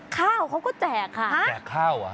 ข้าวเขาก็แจกค่ะแจกข้าวเหรอครับ